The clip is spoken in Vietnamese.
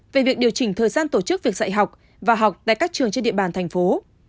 về việc điều chỉnh thời gian tổ chức việc dạy học và học tại các trường trên địa bàn thành phố